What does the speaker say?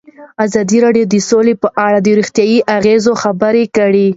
ازادي راډیو د سوله په اړه د روغتیایي اغېزو خبره کړې.